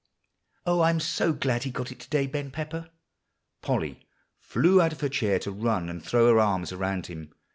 "Oh, I am so glad he got it to day, Ben Pepper!" Polly flew out of her chair to run and throw her arms around him.